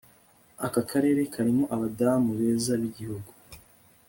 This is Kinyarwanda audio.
aka karere karimo abadamu beza b'igihugu